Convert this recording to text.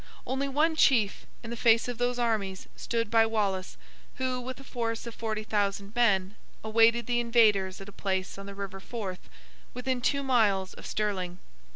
Only one Chief, in the face of those armies, stood by Wallace, who, with a force of forty thousand men, awaited the invaders at a place on the river Forth, within two miles of Stirling.